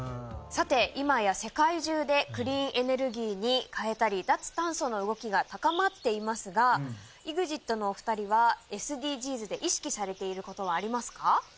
さて今や世界中でクリーンエネルギーにかえたり脱炭素の動きが高まっていますがＥＸＩＴのお二人はＳＤＧｓで意識されていることはありますか？